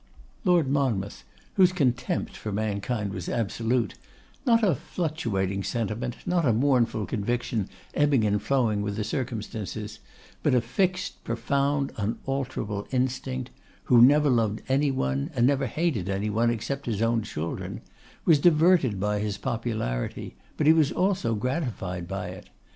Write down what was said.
Lord Monmouth, whose contempt for mankind was absolute; not a fluctuating sentiment, not a mournful conviction, ebbing and flowing with circumstances, but a fixed, profound, unalterable instinct; who never loved any one, and never hated any one except his own children; was diverted by his popularity, but he was also gratified by it.